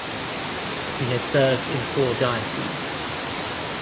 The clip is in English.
He has served in four Dioceses.